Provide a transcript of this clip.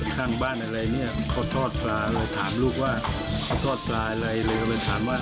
ข้างบ้านอะไรเนี่ยเขาทอดปลาเลยถามลูกว่าเขาทอดปลาอะไรเลยก็ไปถามว่า